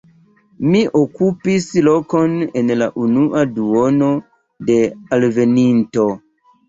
Mi okupis lokon en la unua duono de alvenintoj.